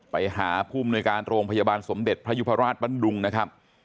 ไปหาผู้มนุยการโรงพยาบาลสมเด็จพระยุพราชบรรดุงนะครับ